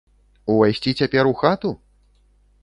Увайсці цяпер у хату?